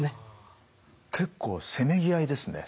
結構せめぎ合いですね。